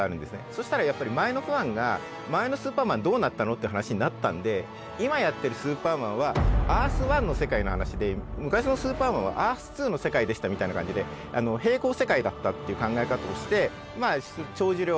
そしたらやっぱり前のファンが前の「スーパーマン」どうなったの？って話になったんで今やってる「スーパーマン」はアース１の世界の話で昔の「スーパーマン」はアース２の世界でしたみたいな感じで並行世界だったっていう考え方をしてまあ帳尻を合わしたんです。